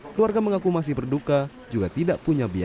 keluarga mengaku masih berduka juga tidak punya biaya